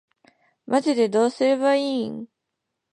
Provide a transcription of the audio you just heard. マジでどうすればいいん